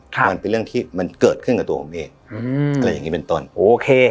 มันเป็นเรื่องที่มันเกิดขึ้นกับตัวผมเองอืมอะไรอย่างงี้เป็นต้นโอเค